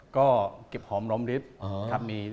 ก็เก็บหอมล้อมฤทธิ์